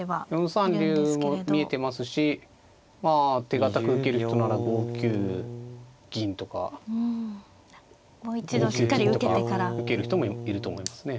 ４三竜も見えてますしまあ手堅く受ける人なら５九銀とか５九金とか受ける人もいると思いますね。